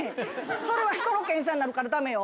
それはひとの検査になるからダメよ。